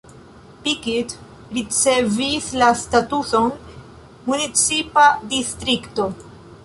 Pikit ricevis la statuson municipa distrikto.